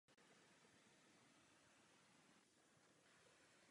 Jedná se o strašlivý jev, jehož rozsah je neznámý.